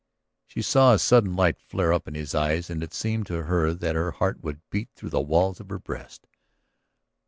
She saw a sudden light flare up in his eyes and it seemed to her that her heart would beat through the walls of her breast.